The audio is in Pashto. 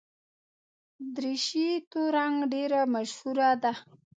دریشي تور رنګ ډېره مشهوره ده.